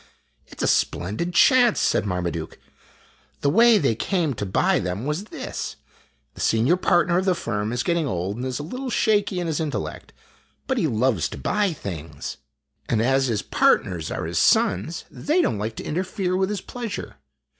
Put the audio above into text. "It 's a splendid chance!" said Marmaduke. "The way they came to buy them was this : the senior partner of the firm is getting old and is a little shaky in his intellect, but he loves to buy things ; and as his partners are his sons, they don't like to interfere with his 16 IMAGINOTIONS pleasure.